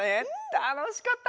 たのしかった！